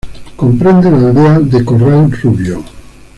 Comprende la aldea de Corral Rubio.